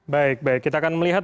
baik baik kita akan melihat